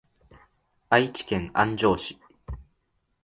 愛知県安城市